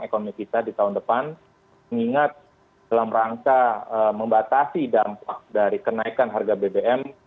ekonomi kita di tahun depan mengingat dalam rangka membatasi dampak dari kenaikan harga bbm